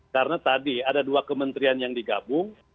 karena tadi ada dua kementrian yang digabung